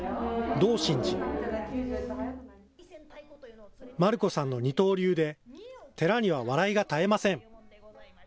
団姫さんの二刀流で、寺には笑いが絶えません。